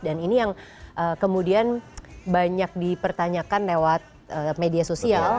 dan ini yang kemudian banyak dipertanyakan lewat media sosial